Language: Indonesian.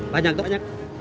banyak tuh banyak